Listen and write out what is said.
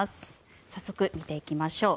早速見ていきましょう。